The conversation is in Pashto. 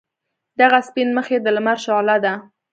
دغه سپین مخ یې د لمر شعله ده.